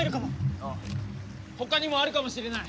他にもあるかもしれない。